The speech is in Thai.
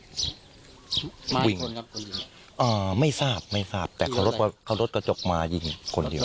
มีคนครับคนยิงเอ่อไม่ทราบไม่ทราบแต่เขารถว่าเขารถกระจกมายิงคนเดียว